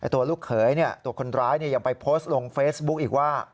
ตัวลูกเขยตัวคนร้ายยังไปโพสต์ลงเฟซบุ๊กอีกว่า